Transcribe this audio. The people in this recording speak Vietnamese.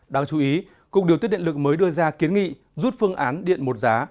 đáng chú ý cục điều tiết điện lực mới đưa ra kiến nghị rút phương án điện một giá